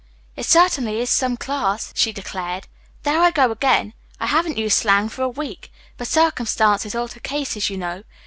"It certainly is some class," she declared. "There I go again. I haven't used slang for a week. But circumstances alter cases, you know.